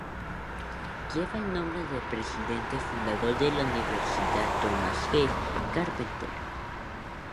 Lleva el nombre de presidente fundador de la universidad, Thomas G. Carpenter.